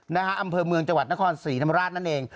อำเภอเมืองจังหวัดนครศรีธรรมราชนั่นเอง